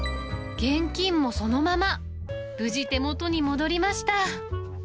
現金もそのまま、無事、手元に戻りました。